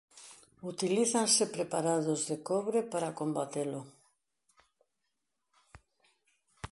Utilízanse preparados de cobre para combatelo.